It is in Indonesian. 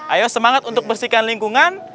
ayo semangat untuk bersihkan lingkungan